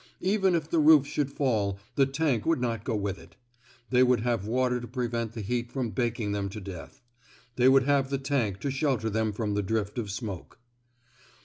Even if the roof should fall, the tank would not go with it. They would have water to prevent the heat from baking them to death. They would have the tank to shel ter them from the drift of smoke.